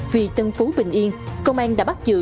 vì tân phú bình yên công an đã bắt giữ